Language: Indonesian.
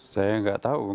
saya nggak tahu